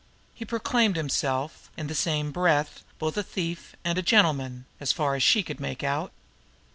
He proclaimed himself in the same breath both a thief and a gentleman, as far as she could make out.